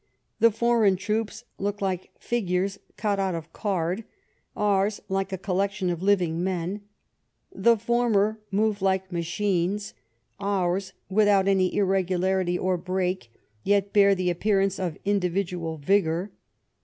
The foreign troops look like figures cut out of card, ours like a collection of liying men ; the former move like machines, ours without any irregularity or break, yet bear the appearance of individual vigour.